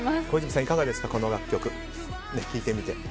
小泉さん、いかがですかこの楽曲聴いてみて。